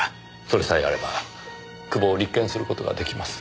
それさえあれば久保を立件する事が出来ます。